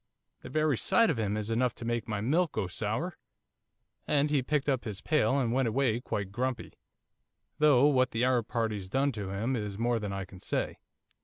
"The very sight of him is enough to make my milk go sour." And he picked up his pail and went away quite grumpy, though what that Arab party's done to him is more than I can say.